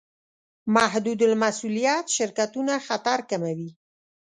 محدودالمسوولیت شرکتونه خطر کموي.